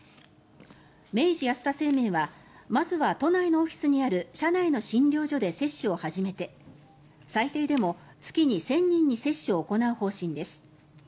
明治安田生命はまずは都内のオフィスにある社内の診療所で接種を始めて最低でも月に１０００人に接種を行う方針です。